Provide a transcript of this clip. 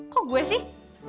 kok gue sih